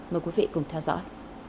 mời quý vị cùng theo dõi